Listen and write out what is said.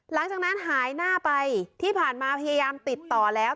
หลังจากนั้นหายหน้าไปที่ผ่านมาพยายามติดต่อแล้ว